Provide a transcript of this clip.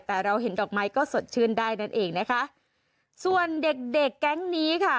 แต่เราเห็นดอกไม้ก็สดชื่นได้นั่นเองนะคะส่วนเด็กเด็กแก๊งนี้ค่ะ